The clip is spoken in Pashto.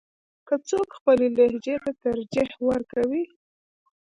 که څوک خپلې لهجې ته ترجیح ورکوي.